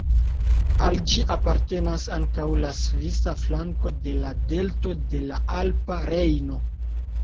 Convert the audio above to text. Al ĝi apartenas ankaŭ la svisa flanko de la delto de la Alpa Rejno.